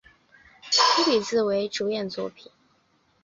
粗体字为主演作品